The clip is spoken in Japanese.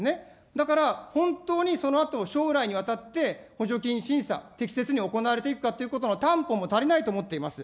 だから本当にそのあとも将来にわたって補助金審査、適切に行われていくかっていうことの担保も足りないと思っています。